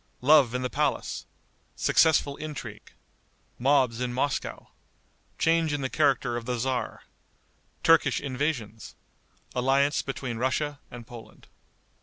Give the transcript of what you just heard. Love in the Palace. Successful Intrigue. Mobs in Moscow. Change in the Character of the Tzar. Turkish Invasions. Alliance Between Russia and Poland.